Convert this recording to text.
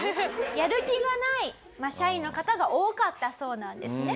やる気がない社員の方が多かったそうなんですね。